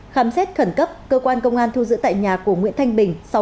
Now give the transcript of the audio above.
khám xét khẩn cấp cơ quan công an thu giữ tại nhà của nguyễn thanh bình